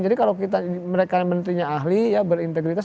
jadi kalau kita mereka yang mentrinya ahli ya berintegritas